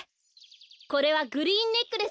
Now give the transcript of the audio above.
これはグリーンネックレスですよ。